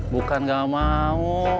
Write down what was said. bukan nggak mau